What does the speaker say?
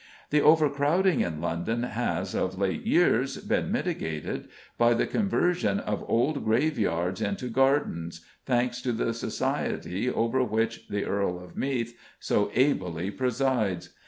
The overcrowding in London has, of late years, been mitigated by the conversion of old grave yards into gardens, thanks to the society over which the Earl of Meath so ably presides.